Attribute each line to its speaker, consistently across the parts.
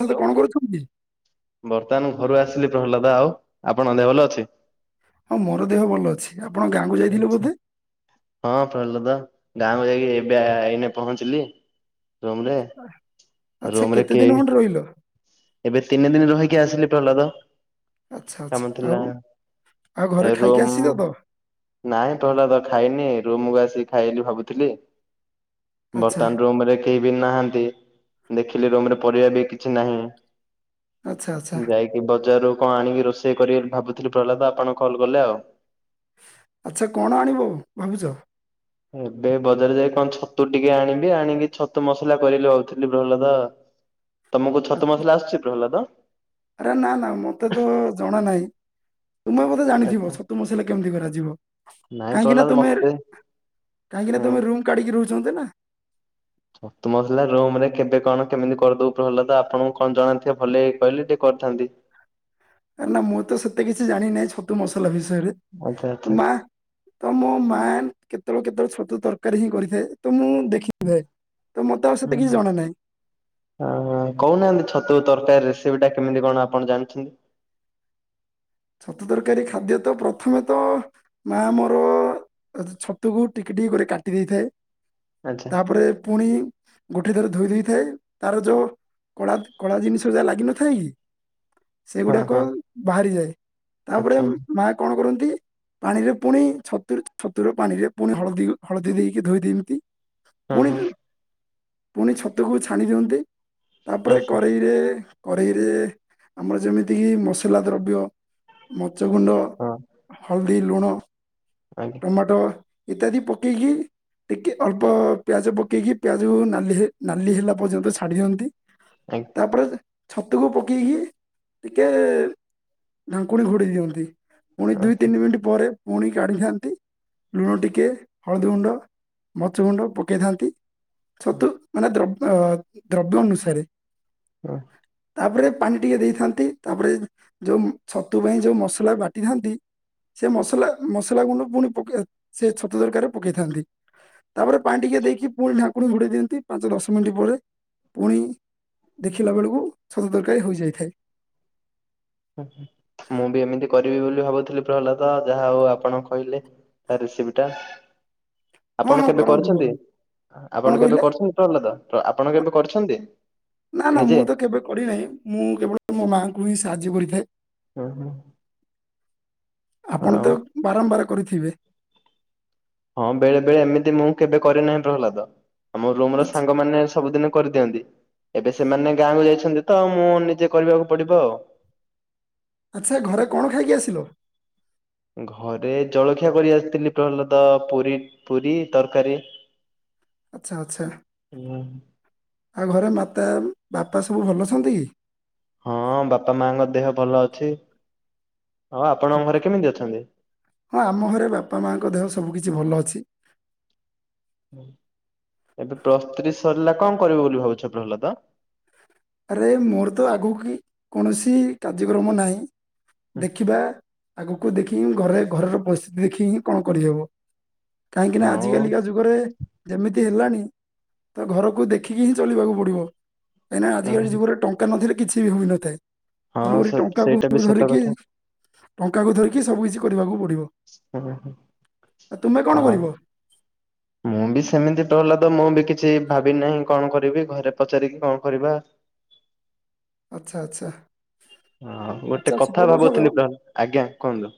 Speaker 1: ଆଉ ତେ
Speaker 2: ହ୍ୟାଲୋ
Speaker 1: କଣ କରୁଛନ୍ତି?
Speaker 2: ବର୍ତ୍ତମାନ ଘରୁ ଆସିଲି ପ୍ରହ୍ଲାଦ, ଆଉ ଆପଣ ଦେହ ଭଲ ଅଛି?
Speaker 1: ହଁ ମୋର ଦେହ ଭଲ ଅଛି। ଆପଣ ଗାଁକୁ ଯାଇଥିଲେ
Speaker 2: ଆଚ୍ଛା
Speaker 1: ବୋଧେ
Speaker 2: ହଁ ପ୍ରହ୍ଲାଦ। ଗାଁକୁ ଯାଇକି ଏବେ ଆ ଏଇନେ ପହଞ୍ଚିଲି। ରୁମ୍ ରେ
Speaker 1: ଆଚ୍ଛା
Speaker 2: ରୁମ୍ ରେ
Speaker 1: କେତେ ଦିନ
Speaker 2: କେହି
Speaker 1: ଖଣ୍ଡେ ରହିଲ
Speaker 2: ଏବେ ତିନି ଦିନି ରହିକି ଆସିଲି ପ୍ରହ୍ଲାଦ
Speaker 1: ଆଚ୍ଛା ଆଚ୍ଛା
Speaker 2: କାମ
Speaker 1: ଆଉ
Speaker 2: ଥିଲା
Speaker 1: ଆଉ ଘରେ
Speaker 2: ଏ
Speaker 1: ଖାଇକି
Speaker 2: ରୁମ୍
Speaker 1: ଆସିଛ ତ
Speaker 2: ନାଇଁ ପ୍ରହ୍ଲାଦ ଖାଇନି ରୁମ୍ କୁ ଆସିକି ଖାଇଲି ଭାବୁଥିଲି।
Speaker 1: ଆଚ୍ଛା
Speaker 2: ବର୍ତ୍ତମାନ ରୁମ୍ ରେ କେହି ବି ନାହାନ୍ତି। ଦେଖିଲି ରୁମ୍ ରେ ପରିବା ବି କିଛି ନାହିଁ
Speaker 1: ଆଚ୍ଛା ଆଚ୍ଛା
Speaker 2: ମୁଁ ଯାଇକି ବଜାରରୁ କଁ ଆଣିକି ରୋଷେଇ କରି ଅଲି ଭାବୁଥିଲି ପ୍ରହ୍ଲାଦ ଆପଣ କଲ୍ କଲେ ଆଉ।
Speaker 1: ଆଚ୍ଛା କଣ ଆଣିବୁ ଭାବୁଛ।
Speaker 2: ଏବେ ବଜାର ଯାଇ କଣ ଛତୁ ଟିକେ ଆଣିବି ଆଣିବି ଛତୁ ମସଲା କରିଲି ଅଥିଲି ଅଲଗା। ତମକୁ
Speaker 1: ଆ-
Speaker 2: ଛତ ମସଲା ଆସୁଛି ପ୍ରହ୍ଲାଦ?
Speaker 1: ଆରେ ନା ନା ମତେ ତ ଜଣା ନାହିଁ। ତୁମେ ବୋଧେ ଜାଣିଥିବ
Speaker 2: ଆଚ୍ଛା।
Speaker 1: ଛତୁ ମସଲା କେମିତି କରାଯିବ
Speaker 2: ନାଇଁ
Speaker 1: କାହିଁକି ନା
Speaker 2: ପ୍ରହ୍ଲାଦ
Speaker 1: ତୁମେ
Speaker 2: ମତେ
Speaker 1: କାହିଁକି ନା
Speaker 2: ହୁଁ
Speaker 1: ତମେ ରୁମ୍ କାଢିକି ରହୁଛନ୍ତି ନା।
Speaker 2: ଛତୁ ମସିଲଲା ରୁମ ରେ କେବେ କଣ କେମିତି କରିଦବୁ ପ୍ରହ୍ଲାଦ ଆପଣଙ୍କୁ କଣ ଜଣାନ୍ତିଥିବ ଭଲ କହିଲେ ଟିକ ଥାନ୍ତି।
Speaker 1: ନା ମୁଁ ତ ସେତେ କିଛି ଜାଣିିନାହିଁ ଛତୁ ମସଲା ବିଷୟ
Speaker 2: ଆଚ୍ଛା ଆଚ୍ଛା
Speaker 1: ମା ତ ମୋ ମା କେତେବେଳ କେତେବେଳେ ଛତୁ ତରକାରୀ ହିଁ କରିଥାଏ ତ ମୁଁ ଦେଖିଥାଏ ତ ମତେ ଆଉ ସେତେ
Speaker 2: ହଁ
Speaker 1: କିଛି ଜଣା ନାହିଁ
Speaker 2: ହ କହୁନାହାନ୍ତି ଛତୁ ତରକାରୀ ରେସିପି ଟା କେମିତି କଣ ଆପଣ ଜାଣିଛନ୍ତି।
Speaker 1: ଛତୁ ତରକାରୀ ଖାଦ୍ୟ ତ ପ୍ରଥମେ ତ ମା ମୋର ଛତୁକୁ ଟିକେ ଟିକେ କାଟି ଦେଇଥାଏ
Speaker 2: ଆଚ୍ଛା
Speaker 1: ତାପରେ ପୁଣି ଗୋଟେ ଥର ଧୋଇ ଦେଇୋଇଥାଏ ତାର ଯୋଉ କଳା କଳା ଜିନିଷ ଯାହା ଲାଗିନଥାଏ କି?
Speaker 2: ହଁ
Speaker 1: ସେଗୁଡାକ
Speaker 2: ହଁ
Speaker 1: ବାହାରି ଯାଏ ତାପରେ
Speaker 2: ଆଚ୍ଛା
Speaker 1: ମା କଣ କରନ୍ତି ପାଣିରେ ପୁଣି ଛତୁ ଛତୁର ପାଣିରେ ପୁଣି ହଳଦୀ ହଳଦୀ ଦେଇକି ଧୋଇଦିଅନ୍ତି।
Speaker 2: ହଁ
Speaker 1: ପୁଣି
Speaker 2: ହଁ
Speaker 1: ପୁଣି ଛତୁକୁ ଛାଣି ଦିଅନ୍ତି। ତାପରେ
Speaker 2: ଆଚ୍ଛା
Speaker 1: କରେେଇରେ କରେେଇରେ ଆମର ଯେମିତିକି ମସଲା ଦ୍ରବ୍ୟ ମରିଚ ଗୁଣ୍ଡ
Speaker 2: ହଁ
Speaker 1: ହଳଦୀ ଲୁଣ
Speaker 2: ଆଜ୍ଞା
Speaker 1: ଟମାଟୋ। ଇତ୍ୟାଦି ପକେଇକି ଟିକେ ଅଳ୍ପ ପିଆଜ ପକେଇକି ପିଆଜକୁ ନାଲି ନାଲି ହେଲା ପର୍ଯ୍ୟନ୍ତ ଛାଡି ଦିଅନ୍ତି। ତାପରେ ଛତୁକୁ ପକେଇକି ଟିକେ ଢାଙ୍କୁଣି ଘୋଡ଼େଇ ଦିଅନ୍ତି ପୁଣି ଦୁଇ ତିନି ମିନିଟ୍ ପରେ ପୁଣି କାଢ଼ିଥାନ୍ତି ଲୁଣ ଟିକେ ହଳଦୀ ଗୁଣ୍ଡ ମରିଚ ଗୁଣ୍ଡ ପକାଇଥାନ୍ତି। ଛତୁ ମାନେ ଦ୍ରବ୍ୟ ଦ୍ରବ୍ୟ ଅନୁସାରେ।
Speaker 2: ହ।
Speaker 1: ତାପରେ ପାଣି ଟିକେ ଦେଇଥାନ୍ତି ତାପରେ ଯଉ ଛତୁ ପାଇଁ ଯଉ ମସଲା ବାଟିଥାନ୍ତି। ସେ ମସଲା ମସଲା ଗୁଣ୍ଡ ପୁଣି ପକା ସେ ଛତୁ ତରକାରୀରେ ପକେଇଥାନ୍ତି। ତାପରେ ପାଣି ଟିକେ ଦେଇକି ପୁଣି ଢାଙ୍କୁଣୀ ଘୁଡେଇ ଦିଅନ୍ତି ପାଞ୍ଚ ଦଶ ମିନିଟ ପରେ ପୁଣି ଦେଖିଲା ବେଳକୁ ଛତୁ ତରକାରୀ ହୋଇଯାଇଥାଏ।
Speaker 2: ମୁଁ ବି ଏମିତି କରିବି ବୋଲି ଭାବୁଥିଲି ପ୍ରହ୍ଲାଦ ଯାହା ହଉ ଆପଣ କହିଲେ। ତା ରେଶିପୀ ଟା।
Speaker 1: ହଁ
Speaker 2: ଆପଣ
Speaker 1: ହଁ
Speaker 2: କେବେ
Speaker 1: କରନ୍ତୁ
Speaker 2: କରୁଛନ୍ତି?
Speaker 1: କରନ୍ତୁ କଣ
Speaker 2: ଆପଣ କେବେ
Speaker 1: କହିଲେ
Speaker 2: କରୁଛନ୍ତି ପ୍ରହଲ୍ଲାଦ। ଆପଣ କେବେ? କରୁଛନ୍ତି।
Speaker 1: ନା ନା ମୁଁ ତ କେବେ କରିନାହିଁ ମୁଁ କେବଳ ମୋ ମାଆଙ୍କୁ ହିଁ ସାହାଯ୍ୟ କରିଥାଏ।
Speaker 2: ହୁ ହୁ।
Speaker 1: ଆପଣ ତ ବାରମ୍ବାର କରିଥିବେ।
Speaker 2: ହଁ ବେଳେ ବେଳେ ଏମିତି ମୁଁ କେବେ କରିନାହିଁ ପ୍ରହଲ୍ଲାଦ। ଆମ ରୁମ ର
Speaker 1: ଆଚ୍ଛା
Speaker 2: ସାଙ୍ଗମାନେ ସବୁଦିନ କରିଦିଅନ୍ତି। ଏବେ ସେମାନେ ଗାଁକୁ ଯାଇଛନ୍ତି ତ ମୁଁ ନିଜେ କରିବାକୁ ପଡିବ ଆଉ।
Speaker 1: ଆଚ୍ଛା ଘରେ କଣ ଖାଇକି ଆସିଲ?
Speaker 2: ଘରେ ଜଳଖିଆ କରି ଆସିଥିଲି ପ୍ରହ୍ଲଦ ପୁରୀ ପୁରୀ ତରକାରୀ।
Speaker 1: ଆଚ୍ଛା ଆଚ୍ଛା। ଆଉ ଘରେ ମାତା ବାପା ସବୁ ଭଲ ଅଛନ୍ତି କି।
Speaker 2: ହଁ ବାପା ମାଙ୍କ ଦେହ ଭଲ ଅଛି। ଆଉ ଆପଣଙ୍କ ଘରେ କେମିତି ଅଛନ୍ତି?
Speaker 1: ହଁ ଆମ ଘରେ ବାପା ମାଙ୍କ ଦେହ ସବୁ କିଛି ଭଲ ଅଛି।
Speaker 2: ଏବେ ପ୍ଲସ ତ୍ରି ସରିଲା କଣ କରିବ ବୋଲି ଭାବୁଛ ପ୍ରହଲଦ?
Speaker 1: ଆରେ ମୋର ତ ଆଗକୁ କି କୌଣସି କାର୍ଯ୍ୟକ୍ରମ ନାହିଁ। ଦେଖିବା ଆଗ କୁ ଦେଖି ଘରେ ଘରର ପରିସ୍ଥିତି ଦେଖି ହିଁ କଣ କରିହବ। କାହିଁକି ନା
Speaker 2: ଆଉ
Speaker 1: ଆଜିିକାଲିକା ଯୁଗରେ। ଯେମିତି ହେଲାଣି ତ ଘରକୁ ଦେଖିକି ହିଁ ଚଲିବାକୁ ପଡିବ କାହିଁକି ନା ଆଜିକାଲି ଯୁଗରେ ଟଙ୍କା ନଥିଲେ କିଛି ବି ହୋଇନଥାଏ।
Speaker 2: ହଁ
Speaker 1: ତେଣୁକରି
Speaker 2: ସେ
Speaker 1: ଟଙ୍କାକୁ
Speaker 2: ସେଇଟା ବି ସତ
Speaker 1: ଧରିକି
Speaker 2: କଥା।
Speaker 1: ଟଙ୍କାକୁ ଧରିକି ସବୁ କିଛି କରିବାକୁ ପଡିବ।
Speaker 2: ହୁଁ ହୁଁ
Speaker 1: ଆଉ ତୁମେ କଣ
Speaker 2: ହଁ।
Speaker 1: କରିବ
Speaker 2: ମୁଁ ବି ସେମିତି ଟ ହେଲା ତ ମୁଁ ବି କିଛି ଭାବି ନାହିଁ କଣ କରିବି ଘରେ ପଚାରିକି କଣ କରିବା।
Speaker 1: ଆଚ୍ଛା ଆଚ୍ଛା।
Speaker 2: ହଁ
Speaker 1: ଆଚ୍ଛା
Speaker 2: ଗୋଟେ କଥା
Speaker 1: ସୁବପ୍ରସାଦ
Speaker 2: ଭାବୁଥିଲି ବ ଆଜ୍ଞା କୁହନ୍ତୁ।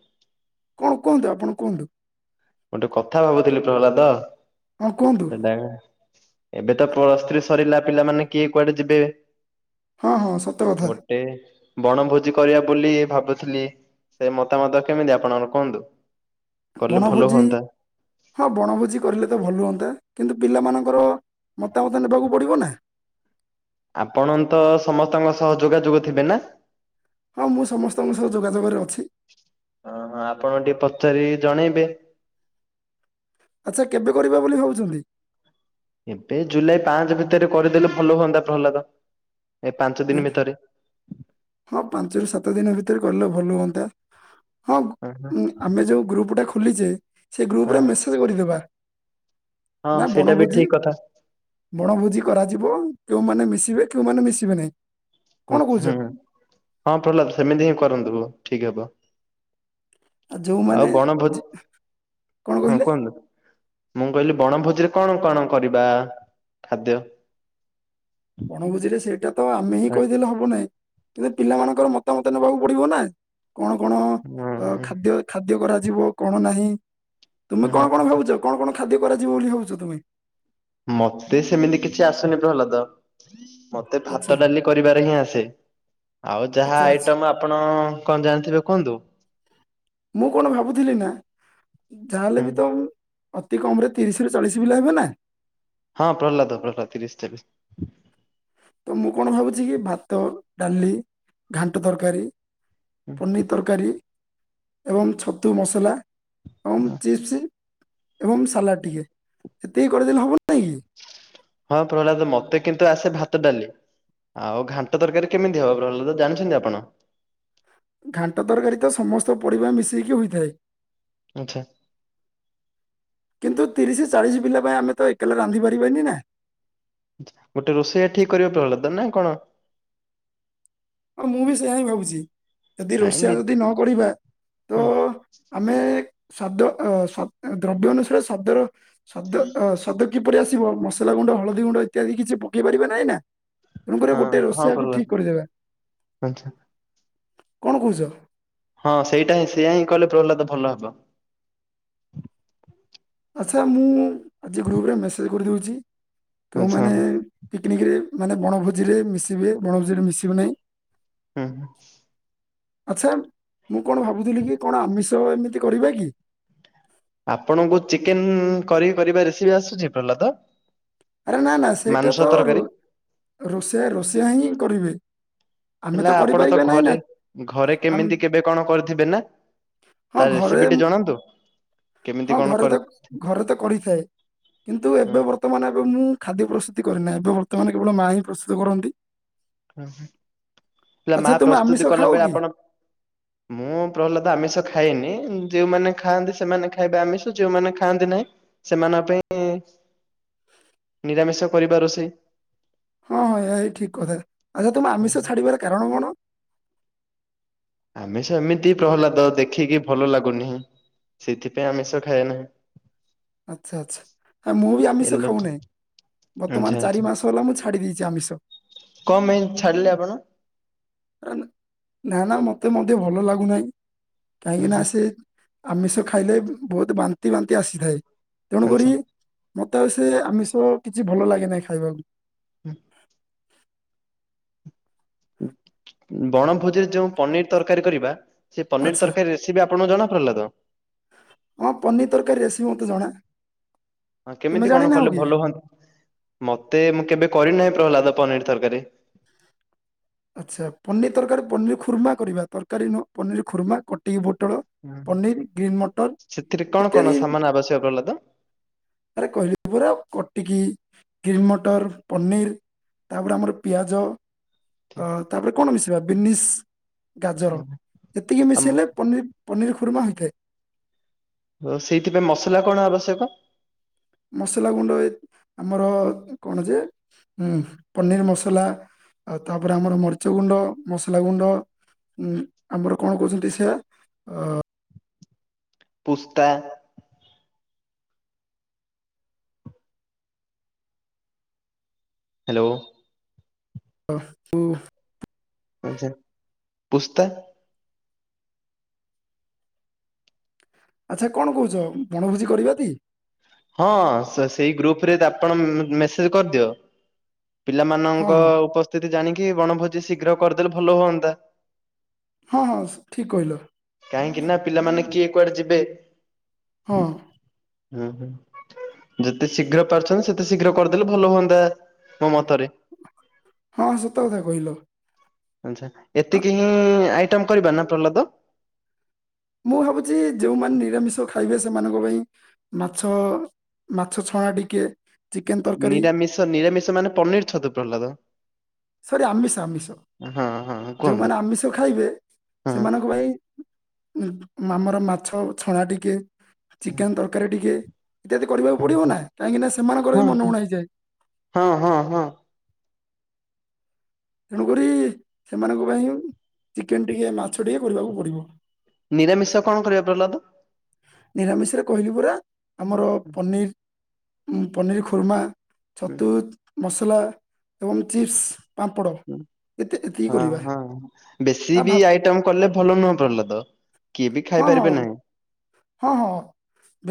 Speaker 1: କଣ କୁହନ୍ତୁ ଆପଣ କୁହନ୍ତୁ।
Speaker 2: ଗୋଟେ କଥା ଭାବୁଥିଲି ପ୍ରହଲାଦ
Speaker 1: ହଁ କୁହନ୍ତୁ
Speaker 2: ସେଟା। ଏବେ ତ ପ୍ଲସ୍ ଥ୍ରୀ ସରିଲା ପିଲାମାନେ କିଏ କୁଆଡେ ଯିବେ।
Speaker 1: ହଁ ହଁ ସତ କଥା।
Speaker 2: ଗୋଟେ ବଣଭୋଜି କରିବା ବୋଲି ଭାବୁଥିଲି ସେ ମତାମତ କେମିତି ଆପଣଙ୍କର କୁହନ୍ତୁ। କଲେ ଭଲ
Speaker 1: ବଣଭୋଜି
Speaker 2: ହୁଅନ୍ତା।
Speaker 1: ହଁ ବଣଭୋଜି କରିଲେ ତ ଭଲ ହୁଅନ୍ତା। କିନ୍ତୁ ପିଲାମାନଙ୍କର ମତାମତ ନେବାକୁ ପଡିବ ନା।
Speaker 2: ଆପଣ ତ ସମସ୍ତଙ୍କ ସହ ଯୋଗାଯୋଗ ଥିବେନା।
Speaker 1: ହଁ ମୁଁ ସମସ୍ତଙ୍କ ସହ ଯୋଗାଯୋଗରେ ଅଛି।
Speaker 2: ହଁ ହଁ ଆପଣ ଟିକେ ପଚାରି ଜଣେଇବେ।
Speaker 1: ଆଚ୍ଛା କେବେ କରିବା ବୋଲି ଭାବୁଛନ୍ତି।
Speaker 2: ଏବେ ଜୁଲାଇ ପାଞ୍ଚ ଭିତରେ କରିଦେଲେ ଭଲ ହୁଅନ୍ତା ପ୍ରହ୍ଲାଦ। ଏ ପାଞ୍ଚ ଦିନ
Speaker 1: ଜୁଲ-
Speaker 2: ଭିତରେ।
Speaker 1: ହଁ ପାଞ୍ଚରୁ ସାତ ଦିନ ଭିତରେ କରିଲେ ଭଲ ହୁଅନ୍ତା। ହଁ ଉଁ ଆମେ ଯୋଉ ଗ୍ରୁପଟା ଖୋଲିଛେ ସେଇ
Speaker 2: ହଁ
Speaker 1: ଗ୍ରୁପରେ ମେସେଜ କରିଦବା।
Speaker 2: ହଁ
Speaker 1: ନା
Speaker 2: ସେଇଟା ବି
Speaker 1: ବଣଭୋଜି
Speaker 2: ଠିକ କଥା।
Speaker 1: ବଣଭୋଜି କରାଯିବ। କେଉଁମାନେ ମିଶିବେ କେଉଁମାନେ ମିଶିବେ ନାହିଁ।
Speaker 2: ହୁଁ
Speaker 1: କଣ କହୁଛ
Speaker 2: ହୁଁ ହଁ ପ୍ରହ୍ଲାଦ ସେମିତି ହିଁ କରନ୍ତୁ ଠିକ ହେବ।
Speaker 1: ଯୋଉମାନେ
Speaker 2: ଆଉ ବଣ ଭୋ
Speaker 1: ଯି- କଣ
Speaker 2: ହଁ
Speaker 1: କହିଲେ
Speaker 2: କୁହନ୍ତୁ। ମୁଁ କହିଲି ବଣଭୋଜିରେ କଣ କଣ କରିବା ଖାଦ୍ୟ?
Speaker 1: ବଣଭୋଜି ରେ ସେଇଟା ତ ଆମେ ହିଁ କହିଦେଲେ ହବ ନାହିଁ। କିନ୍ତୁ ପିଲାମାନଙ୍କର ମତାମତ ନେବାକୁ ପଡିବ ନା। କଣ କଣ ଅ ଖାଦ୍ୟ ଖାଦ୍ୟ କରାଯିବ କଣ ନାହିଁ। ତୁମେ କଣ କଣ ଭାବୁଛ କଣ କଣ ଖାଦ୍ୟ କରାଯିବ ବୋଲି ଭାବୁଛ ତୁମେ?
Speaker 2: ମତେ ସେମିତି କିଛି ଆସୁନି ପ୍ରହ୍ଲାଦ। ମତେ
Speaker 1: ଆଚ୍ଛା
Speaker 2: ଭାତ ଡାଲି କରିବାରେ ହିଁ ଆସେ। ଆଉ ଯାହା
Speaker 1: ଆଚ୍ଛା ଆଚ୍ଛା
Speaker 2: ଆଇଟମ ଆପଣ କଣ ଜାଣିଥିବେ କୁହନ୍ତୁ।
Speaker 1: ମୁଁ କଣ ଭାବୁଥିଲି ନା ଯାହାହେଲେ
Speaker 2: ହୁଁ
Speaker 1: ବି ତ। ଅତି କମରେ ତିରିଶ ରୁ ଚାଳିଶ ପିଲା ହେବେ ନା।
Speaker 2: ହଁ ପ୍ରହ୍ଲାଦ ପ୍ରହ୍ଲାଦ ତିରିଶ ଚାଳିଶ।
Speaker 1: ତ ମୁଁ କଣ ଭାବୁଛି କି ଭାତ ଡାଲି ଘାଣ୍ଟ ତରକାରୀ।
Speaker 2: ହୁଁ।
Speaker 1: ପନିର୍ ତରକାରୀ ଏବଂ ଛତୁ ମସଲା ଏବଂ ଚିପ୍ସି। ଏବଂ ସାଲାଡ ଟିକେ ସେତିକି କରିଦେଲେ ହବ ନାଇଁ କି।
Speaker 2: ହଁ ପ୍ରହ୍ଲାଦ ମତେ କିନ୍ତୁ ଆସେ ଭାତ ଡାଲି। ଆଉ ଘାଣ୍ଟ ତରକାରୀ କେମିତି ହବ ପ୍ରହ୍ଲାଦ ଜାଣିଛନ୍ତି ଆପଣ।
Speaker 1: ଘାଣ୍ଟ ତରକାରୀ ତ ସମସ୍ତ ପରିବା ମିଶେଇକି ହୋଇଥାଏ।
Speaker 2: ଆଚ୍ଛା।
Speaker 1: କିନ୍ତୁ ତିରିଶ ଚାଳିଶ ପିଲା ପାଇଁ ଆମେ ତ ଏକେଲା ରାନ୍ଧି ପାରିବନି ନା।
Speaker 2: ଗୋଟେ ରୋଷେଇଆ ଠିକ କରିବା [unintelligible] ନା କଣ?
Speaker 1: ହଁ ମୁଁ ବି ସେଇଆା ହିଁ ଭାବୁଛି ଯଦି
Speaker 2: ନାଇଁ
Speaker 1: ରୋଷିଆ
Speaker 2: ନି
Speaker 1: ଯଦି ନକରିବା। ତ ଆମେ ଶବ୍ଦ ଅ ଶ ଦ୍ରବ୍ୟ ଅନୁସାରେ ଶବ୍ଦର ଶବ୍ଦ ଅ ଶବ୍ଦ କିପରି ଆସିବ ମସଲା ଗୁଣ୍ଡ ହଳଦୀ ଗୁଣ୍ଡ ଇତ୍ୟାଦି କିଛି ପକେଇ ପାରିବା ନାଁଇ ନାଁ। ତେଣୁକରି ଗୋଟେ
Speaker 2: ହଁ ହଁ
Speaker 1: ରୋଷିଆକୁ
Speaker 2: ପ୍ରହ୍ଲାଦ
Speaker 1: ଠିକ୍ କରିଦେବା।
Speaker 2: ଆଚ୍ଛା।
Speaker 1: କଣ କହୁଛ?
Speaker 2: ହଁ ସେଇଟା ହିଁ ସେଇଆ ହିଁ କଲେ ପ୍ରହ୍ଲାଦ ଭଲ ହବ।
Speaker 1: ଆଚ୍ଛା ମୁଁ ଆଜି ଗ୍ରୁପରେ ମେସେଜ କରିଦେଉଛି
Speaker 2: ଆଚ୍ଛା
Speaker 1: ତମାନେ
Speaker 2: ହୁଁ
Speaker 1: ପିକ୍ନିକରେ ମାନେ ବଣଭୋଜିରେ ମିଶିବେ ବଣଭୋଜିରେ ମିଶିବୁ ନାହିଁ।
Speaker 2: ହୁଁ।
Speaker 1: ଆଛା ମୁଁ କଣ ଭାବୁଥିଲି କି କଣ ଆମିଷ ଏମିତି କରିବା କି?
Speaker 2: ଆପଣଙ୍କୁ ଚିକେନ କରି କରିବା ରେସିପି ଆସୁଛି ପ୍ରହଲାଦ?
Speaker 1: ଆରେ ନାଁ ନାଁ ସେଇଟା ତ ରୋ ରୋଷେଇ ରୋଷେଇଆ ହିଁ କରିବେ। ଆମେ
Speaker 2: ହେଲା ଆପଣ ତ
Speaker 1: କରିପାରିବା ନାହିଁ ନା
Speaker 2: ଘରେ ଘରେ
Speaker 1: ଆମ୍-
Speaker 2: କେମିତି କେବେ କଣ କରିଥିବେ ନାଁ।
Speaker 1: ହଁ
Speaker 2: ତା
Speaker 1: ଘରେ
Speaker 2: ରେସିପି ଟି ଜଣାନ୍ତୁ। କେମିତି
Speaker 1: ହଁ
Speaker 2: କଣ
Speaker 1: ଘରେ
Speaker 2: କରି
Speaker 1: ତ ଘରେ ତ କରିଥାଏ କିନ୍ତୁ ଏବେ ବର୍ତ୍ତମାନ ଏବେ ମୁଁ ଖାଦ୍ୟ ପ୍ରସ୍ତୁତି କରିରେନାହିଁ ଏବେ ବର୍ତ୍ତମାନ କେବଳ ମା ହିଁ ପ୍ରସ୍ତୁତ କରନ୍ତି।
Speaker 2: ହ ହ ହେଲା ମା
Speaker 1: ଆଚ୍ଛା ତୁମେ ଆମିଷ
Speaker 2: ପ୍ରସ୍ତୁତି କଲା
Speaker 1: ଖାଅ
Speaker 2: ବେଳେ
Speaker 1: କି
Speaker 2: ଆପଣ ମୁଁ ପ୍ରହ୍ଲାଦ ଆମିଷ ଖାଇନି। ଯୋଉମାନେ ଖାଆନ୍ତି ସେମାନେ ଖାଇବେ ଆମିଷ ଯୋଉମାନେ ଖାଆନ୍ତି ନାହିଁ ସେମାନଙ୍କ ପାଇଁ ନିରାମିଷ କରିବା ଋଷେଇ।
Speaker 1: ହଁ ହଁ ଏ ଠିକ କଥା ଆଚ୍ଛା ତୁମେ ଆମିଷ ଛାଡିବାର କାରଣ କଣ।
Speaker 2: ଆମେ ସେ ଏମିତି ପ୍ରହ୍ଲାଦ ଦେଖିକି ଭଲ ଲାଗୁନି। ସେଥିପାଇଁ ଆମେଷ ଖାଏ ନାହିଁ।
Speaker 1: ଆଚ୍ଛା ଆଚ୍ଛା ମୁଁ ବି ଆମିଷ
Speaker 2: ଏଲର୍ଜି
Speaker 1: ଖାଉନାହିଁ ବର୍ତ୍ତମାନ ଚାରି ମାସ ହେଲା ମୁଁ ଛଡ଼ି ଦେଇଛି ଆମୀଷ।
Speaker 2: କମ ପାଇଁ ଛାଡିଲେ ଆପଣ?
Speaker 1: ନାଁ ନାଁ ମତେ ମଧ୍ୟ ଭଲ ଲାଗୁନାହିଁ। କାହିଁକି ନା ସେ ଆମିଷ ଖାଇଲେ ବହୁତ ବାନ୍ତି ବାନ୍ତି ଆସିଥାଏ ତେଣୁକରି
Speaker 2: ଆଚ୍ଛା
Speaker 1: ମତେ ସେ ଆମିଷ କିଛି ଭଲ ଲାଗେ ନାହିଁ ଖାଇବାକୁ।
Speaker 2: ହୁଁ। ବଣଭୋଜିରେ ଯୋଉ ପନିର ତରକାରୀ କରିବା ସେ ପନିର ତରକାରୀ ରେସିପି ଆପଣଙ୍କୁ ଜଣା? ପ୍ରହଲ୍ଲାଦ।
Speaker 1: ହ ପନିର ତରକାରୀ ରେସିପି ମତେ ଜଣା।
Speaker 2: ହଁ
Speaker 1: ତୁମେ
Speaker 2: କେମିତି କଣ
Speaker 1: ଜାଣିନାହଁ
Speaker 2: କଲେ
Speaker 1: କି
Speaker 2: ଭଲ ହୁଅନ୍ତା ମତେ ମୁଁ କେବେ କରିନ ନା ପ୍ରହ୍ଲାଦ ପନିର ତରକାରୀ।
Speaker 1: ଆଚ୍ଛା ପନିର ତରକାରୀ ପନିର ଖୁର୍ମା କରିବା ତରକାରୀ ନ ପନିର ଖୁର୍ମା କଟିକି ବ ପଟଳ ପନିର୍ ଗ୍ରୀନ୍ ମଟର
Speaker 2: ସେଥିରେ କଣ କଣ
Speaker 1: ଇତ୍ୟାଦି।
Speaker 2: ସାମାନ ଆବଶ୍ୟକ ପ୍ରହ୍ଲାଦ?
Speaker 1: ଆରେ କହିଲି ପୁରା କଟିକି। ଗ୍ରେନ୍ ମଟର ପନିର ତାପରେ ଆମର ପିଆଜ ଅ ତାପରେ କଣ ମିଶ ବିନିସ ଗାଜର ଯେତିକି
Speaker 2: ଆମ
Speaker 1: ମିଶେଇଲେ ପନିର୍ ଖୁର୍ମା ହୋଇଥାଏ।
Speaker 2: ହଉ ସେଇଥିପାଇଁ ମସଲା କଣ ଆବଶ୍ୟକ?
Speaker 1: ମସଲା ଗୁଣ୍ଡ ଆମର କଣ ଯେ ଉଁ ପନିର ମସଲା। ଆଉ ତାପରେ ଆମର ମରିଚ ଗୁଣ୍ଡ ମସଲା ଗୁଣ୍ଡ। ଉଁ ଆମର କଣ କହୁଛନ୍ତି ସେଆ ଅ
Speaker 2: ପୁସ୍ତ।। ହ୍ୟାଲୋ।
Speaker 1: [unintelligible]
Speaker 2: ଆଚଛା ପୁସ୍ତା।
Speaker 1: ଆଚ୍ଛା କଣ କହୁଛ ବଣଭୋଜି କରିବା କି?
Speaker 2: ହଁ ସେଇ ଗ୍ରୁପ ରେ ଆପଣ ମେସେଜ କରିଦିଅ।
Speaker 1: ହଁ
Speaker 2: ପିଲାମାନଙ୍କ
Speaker 1: ହଁ
Speaker 2: ଉପସ୍ଥିତି ଜାଣିକି ବଣଭୋଜି ଶୀଘ୍ର କରିଦେଲେ ଭଲ ହୁଅନ୍ତା।
Speaker 1: ହଁ ହଁ ଠିକ କହିଲ।
Speaker 2: କାହିଁକି ନା ପିଲାମାନେ କିଏ କୁଆଡେ ଯିବେ।
Speaker 1: ହଁ।
Speaker 2: ହୁଁ ହୁଁ ଯେତେ ଶୀଘ୍ର ପାରୁଛନ୍ତି ସେତେ ଶୀଘ୍ର କରିଦେଲେ ଭଲ ହୁଅନ୍ତା ମୋ ମତରେ
Speaker 1: ହଁ ସତ କଥା କହିଲ ଆଉ
Speaker 2: ଏତିକି ହିଁ ଆଇଟମ କରିବା ନା ପ୍ରହ୍ଲାଦ
Speaker 1: ମୁଁ ଭାବୁଛି ଯୋଉମାନେ ନିରାମିଷ ଖାଇବେ ସେମାନଙ୍କ ପାଇଁ ମାଛ ମାଛ ଛଣା ଟିକେ ଚିକେନ ତରକାରୀ
Speaker 2: ନିରାମିଷ ନିରାମିଷ ମାନେ ପନିର ଛତୁ ପ୍ରହ୍ଲାଦ
Speaker 1: ସରି ଆମିଷ ଆମିଷ
Speaker 2: ହଁ ହଁ କୁହନ୍ତୁ।
Speaker 1: ଯୋଉମାନେ ଆମିଷ ଖାଇବେ
Speaker 2: ହଁ
Speaker 1: ସେମାନଙ୍କ ପାଇଁ ଆମର ମାଛ ଛଣା ଟିକେ ଚିକେନ
Speaker 2: ହଁ
Speaker 1: ତରକାରୀ ଟିକେ ଇତ୍ୟାଦି କରିବାକୁ ପଡିବ ନା କାହିଁକି ନା ସେମାନଙ୍କର
Speaker 2: ହଁ
Speaker 1: ବି
Speaker 2: ହଁ
Speaker 1: ମନ
Speaker 2: ହଁ
Speaker 1: ଉଣା ହେଇଯାଏ
Speaker 2: ହଁ ହଁ ହଁ
Speaker 1: ତେଣୁକରି ସେମାନଙ୍କ ପାଇଁ ଚିକେନ ଟିକେ ମାଛ ଟିକେ କରିବାକୁ ପଡିବ
Speaker 2: ନିରାମିଷ କଣ କରିବା ପ୍ରହ୍ଲାଦ
Speaker 1: ନିରାମିଷରେ କହିଲି ପରା ଆମର ପନିର ପନିର ଖୁର୍ମା
Speaker 2: ହୁଁ,
Speaker 1: ଛତୁ ମସଲା ଏବଂ ଚିପ୍ସ ପାମ୍ପଡ଼
Speaker 2: ହୁଁ,
Speaker 1: ଏତିକି
Speaker 2: ହଁ
Speaker 1: କରିବା
Speaker 2: ହଁ ବେଶୀ
Speaker 1: ଆ
Speaker 2: ବି
Speaker 1: ଭା
Speaker 2: ଆଇଟମ କଲେ ଭଲ ନୁହଁ ପ୍ରହ୍ଲାଦ - କିଏ ବି
Speaker 1: ହଁ
Speaker 2: ଖାଇ ପାରିବେ ନାହିଁ
Speaker 1: ହଁ ହଁ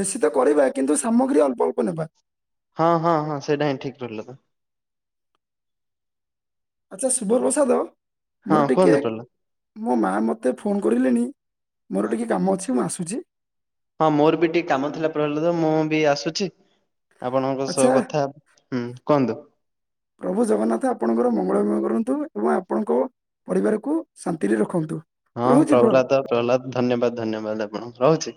Speaker 1: ବେଶୀ ତ କରିବା କିନ୍ତୁ ସାମଗ୍ରୀ ଅଳ୍ପ ଅଳ୍ପ ନେବା
Speaker 2: ହଁ ହଁ ହଁ ସେଇଟା ହିଁ ଠିକ ରହିଲ ତ
Speaker 1: ଆଚ୍ଛା ସୁବର୍ ବଷାଦ।
Speaker 2: ହଁ କୁହନ୍ତୁ ପ୍ର
Speaker 1: ମୋ ମା ମୋତେ ଫୋନ କରିଲେଣି
Speaker 2: ହଁ
Speaker 1: ମୋର ଟିକେ କାମ ଅଛି ମୁଁ ଆସୁଛି
Speaker 2: ହଁ ମୋର ବି ଟିକେ କାମ ଥିଲା ପ୍ରହ୍ଲାଦ ମୁଁ ବି ଆସୁଛି ଆପଣଙ୍କ ସହ
Speaker 1: ଆଚ୍ଛା
Speaker 2: କଥା ହୁଁ କୁହନ୍ତୁ
Speaker 1: ପ୍ରଭୁ ଜଗନ୍ନାଥ ଆପଣଙ୍କର ମଙ୍ଗଳମୟ କରନ୍ତୁ ଏବଂ ଆପଣଙ୍କ ପରିବାରକୁ ଶାନ୍ତିରେ ରଖନ୍ତୁ
Speaker 2: ହଁ ପ୍ରହ୍ଲାଦ ପ୍ରହ୍ଲାଦ ଧନ୍ୟବାଦ ଧନ୍ୟବାଦ ଆପଣ ରହୁଛି।